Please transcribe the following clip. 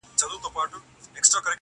او په کلي کي مېلمه یې پر خپل کور کړي،